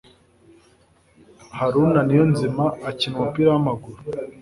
haruna niyonzima akina umupira wamaguru